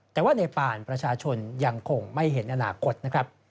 แต่ว่าในป่านประชาชนยังคงไม่เห็นอนาคตนะครับ